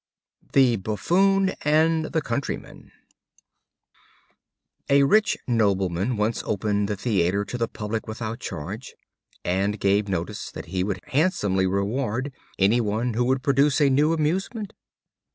The Buffoon and the Countryman. A rich nobleman once opened the theater to the public without charge, and gave notice that he would handsomely reward any one who would produce a new amusement.